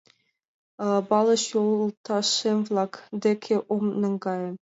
Балыш, йолташем-влак деке ом наҥгае.